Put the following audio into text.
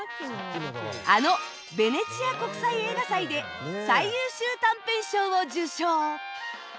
あのベネチア国際映画祭で最優秀短編賞を受賞